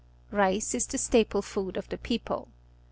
Rice is the staple food of the people.